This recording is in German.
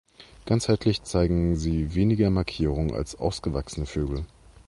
Ganzheitlich zeigen sie weniger Markierungen als ausgewachsene Vögel.